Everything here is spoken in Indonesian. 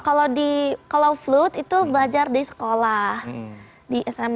kalau di kalau flut itu belajar di sekolah di smm